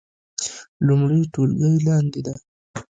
لومړۍ ټولګی لاندې ده